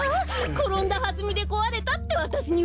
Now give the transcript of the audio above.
ころんだはずみでこわれたってわたしにはいってたのに。